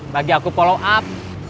lagi aku follow up